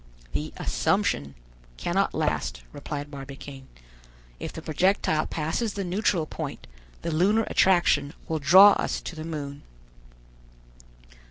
"The 'Assumption' cannot last," replied Barbicane. "If the projectile passes the neutral point, the lunar attraction will draw us to the moon."